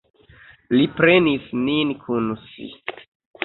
Li prenis nin kun si.